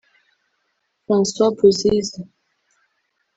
Francois Bozizé